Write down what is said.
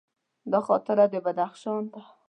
دا خاطره د بدخشان ده.